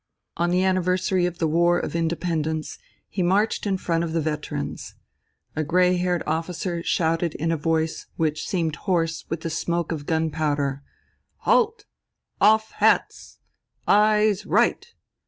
On the anniversary of the War of Independence he marched in front of the veterans. A grey haired officer shouted in a voice which seemed hoarse with the smoke of gunpowder: "Halt! Off hats! Eyes right!"